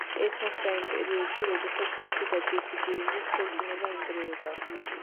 ეს მოხდა იმ პერიოდში როდესაც მისი და ჯესი ჯეიმზის ქორწინება ინგრეოდა.